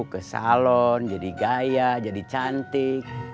ke salon jadi gaya jadi cantik